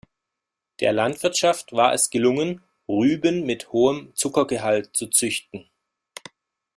Der Landwirtschaft war es gelungen, Rüben mit hohem Zuckergehalt zu züchten.